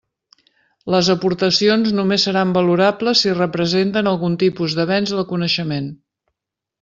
Les aportacions només seran valorables si representen algun tipus d'avenç del coneixement.